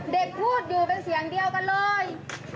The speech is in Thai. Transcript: เด็กพูดอยู่เป็นเสียงเดียวกันเลย